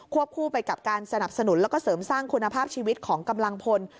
คู่ไปกับการสนับสนุนแล้วก็เสริมสร้างคุณภาพชีวิตของกำลังพล